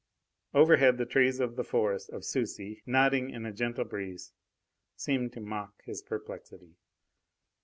Overhead the trees of the forest of Sucy, nodding in a gentle breeze, seemed to mock his perplexity.